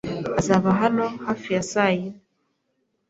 Azaba hano hafi ya saa yine.